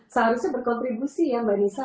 seharusnya berkontribusi ya mbak nisa